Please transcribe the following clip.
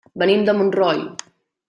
Venim de Montroi.